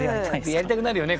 やりたくなるよね